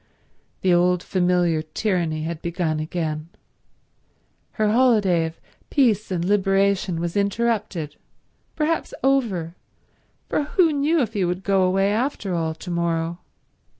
The old familiar tyranny had begun again. Her holiday of peace and liberation was interrupted—perhaps over, for who knew if he would go away, after all, to morrow?